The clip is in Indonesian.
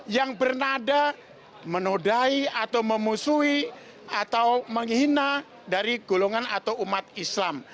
yang bernada menodai atau memusuhi atau menghina dari golongan atau umat islam